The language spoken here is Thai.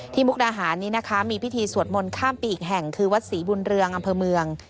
มุกดาหารนี้นะคะมีพิธีสวดมนต์ข้ามปีอีกแห่งคือวัดศรีบุญเรืองอำเภอเมือง